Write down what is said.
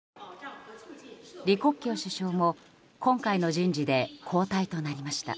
李克強首相も今回の人事で交代となりました。